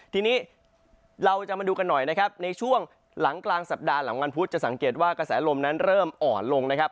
ทีนี้เราจะมาดูกันหน่อยนะครับในช่วงหลังกลางสัปดาห์หลังวันพุธจะสังเกตว่ากระแสลมนั้นเริ่มอ่อนลงนะครับ